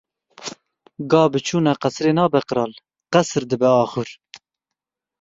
Ga bi çûna qesrê nabe qral, qesr dibe axur.